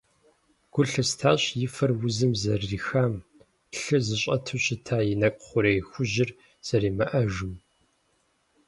Гу лъыстащ и фэр узым зэрырихам, лъы зыщӀэту щыта и нэкӀу хъурей хужьыр зэримыӀэжым.